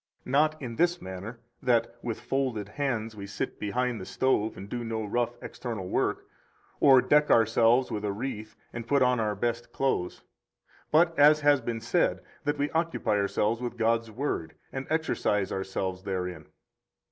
Not in this manner, that [with folded hands] we sit behind the stove and do no rough [external] work, or deck ourselves with a wreath and put on our best clothes, but (as has been said) that we occupy ourselves with God's Word, and exercise ourselves therein.